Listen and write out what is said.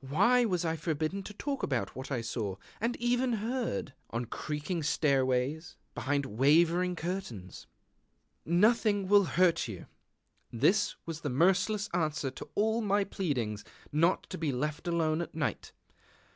Why was I forbidden to talk about what I saw, and even heard, on creaking stairways, behind wavering curtains? "Nothing will hurt you," this was the merciless answer to all my pleadings not to be left alone at night.